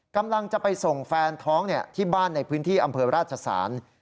กำลังจะไปส่งแฟนท้องที่บ้านในพื้นที่อำเภอราชสาร